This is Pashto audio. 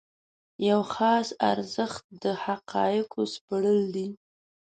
یو خاص ارزښت د حقایقو سپړل دي.